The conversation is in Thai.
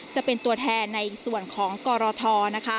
จะเป็นตัวแทนในส่วนของกรทนะคะ